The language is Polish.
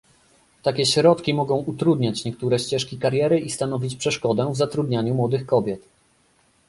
Takie środki mogą utrudniać niektóre ścieżki kariery i stanowić przeszkodę w zatrudnianiu młodych kobiet